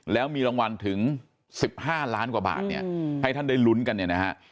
แล้วมีรางวัลถึง๑๕ล้านกว่าบาทเนี่ยให้ท่านได้ลุ้นกันเนี่ยนะฮะ